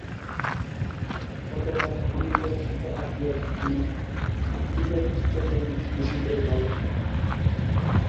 কতবার ক্ষণিকের শিখা আঁকিয়াছে ক্ষীণ টিকা নিশ্চেতন নিশীথের ভালে।